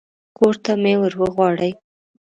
کور ته مې ور وغواړي.